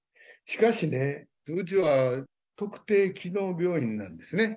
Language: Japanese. しかしね、うちは特定機能病院なんですね。